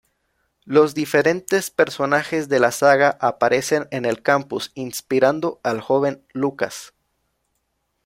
Los diferentes personajes de la saga aparecen en el campus, inspirando al joven Lucas.